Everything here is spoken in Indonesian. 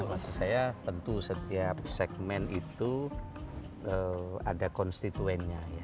maksud saya tentu setiap segmen itu ada konstituennya ya